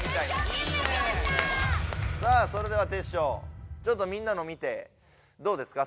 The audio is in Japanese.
さあそれではテッショウちょっとみんなの見てどうですか？